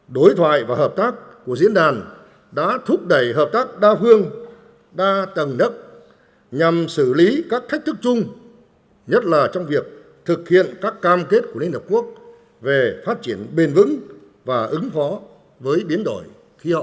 đối thoại và hợp tác của diễn đàn đã thúc đẩy hợp tác đa phương đa tầng nấc nhằm xử lý các thách thức chung nhất là trong việc thực hiện các cam kết của liên hợp quốc về phát triển bền vững và ứng phó với biến đổi khí hậu